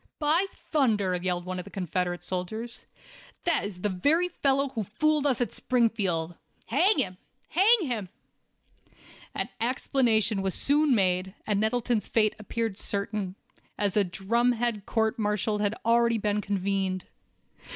"By thunder!" yelled one of the Confederate soldiers, "that is the very fellow who fooled us at Springfield. Hang him! Hang him!" An explanation was soon made, and Nettleton's fate appeared certain, as a "drumhead" court martial had already been convened.